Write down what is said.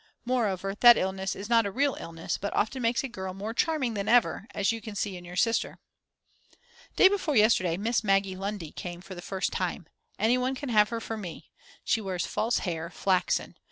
Moreover, that illness is not a real illness, but often makes a girl more charming than ever, as you can see in your sister. Day before yesterday Miss Maggie Lundy came for the first time; anybody can have her for me. She wears false hair, flaxen.